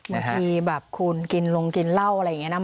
บางทีแบบคุณกินลงกินเหล้าอะไรอย่างนี้นะ